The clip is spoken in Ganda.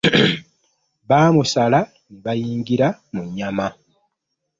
Baamusala ne bayingira mu nnyama.